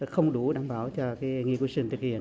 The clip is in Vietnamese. không đủ đảm bảo cho nghiên cứu sinh thực hiện